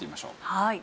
はい。